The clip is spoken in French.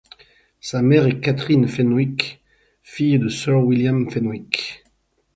Sa mère est Catherine Fenwick, fille de Sir William Fenwick.